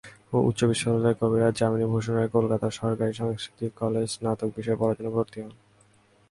উচ্চ বিদ্যালয়ের পর কবিরাজ যামিনী ভূষণ রায় কলকাতার সরকারি সংস্কৃত কলেজে স্নাতক বিষয়ে পড়ার জন্য ভর্তি হন।